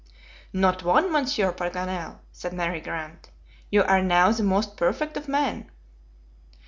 "Not one. Monsieur Paganel," said Mary Grant. "You are now the most perfect of men."